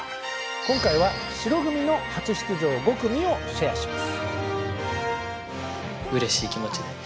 今回は白組の初出場５組をシェアします。